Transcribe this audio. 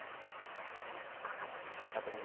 確かに赤と緑。